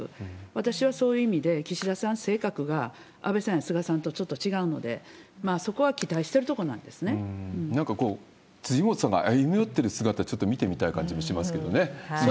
私はそういう意味で、岸田さん、性格が安倍さんや菅さんとちょっと違うので、なんかこう、辻元さんが歩み寄ってる姿、ちょっと見てみたい感じもしますけどね。